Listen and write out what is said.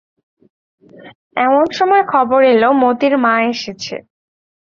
এমন সময় খবর এল, মোতির মা এসেছে।